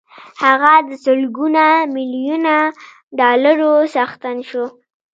هغه د سلګونه ميليونه ډالرو څښتن شو.